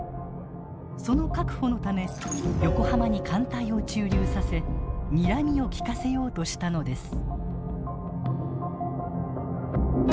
その確保のため横浜に艦隊を駐留させにらみを利かせようとしたのです。